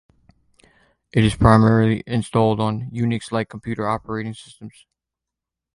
It is primarily installed on Unix-like computer operating systems.